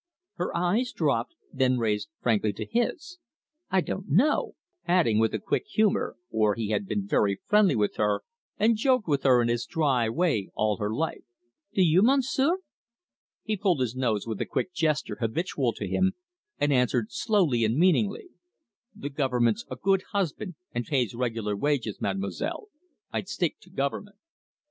Her eyes dropped, then raised frankly to his. "I don't know," adding, with a quick humour, for he had been very friendly with her, and joked with her in his dry way all her life; "do you, Monsieur?" He pulled his nose with a quick gesture habitual to him, and answered slowly and meaningly: "The government's a good husband and pays regular wages, Mademoiselle. I'd stick to government."